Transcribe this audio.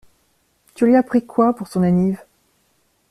Tu lui as pris quoi pour son anniv?